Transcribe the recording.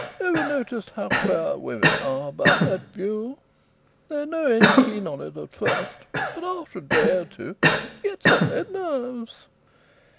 "Ever noticed how queer women are about that view? They're no end keen on it at first, but after a day or two it gets on their nerves."